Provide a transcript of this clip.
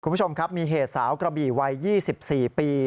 คุณผู้ชมครับมีเหตุสาวกระบี่วัย๒๔ปี